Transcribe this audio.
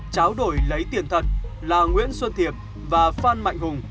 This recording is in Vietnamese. tráo đổi lấy tiền thật là nguyễn xuân thiệp và phan mạnh hùng